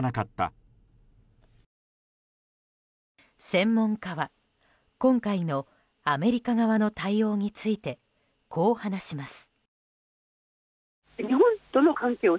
専門家は、今回のアメリカ側の対応についてこう話します。